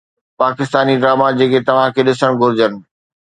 Pakistani drama جيڪي توهان کي ڏسڻ گهرجن